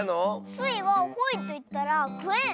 スイは「ほい」といったら「くえん」！